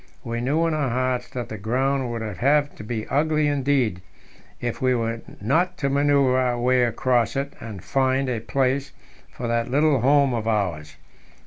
We knew in our hearts that the ground would have to be ugly indeed if we were not to manoeuvre our way across it and find a place for that little home of ours.